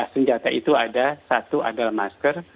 senjata itu ada satu adalah masker